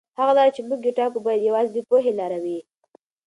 هغه لاره چې موږ یې ټاکو باید یوازې د پوهې لاره وي.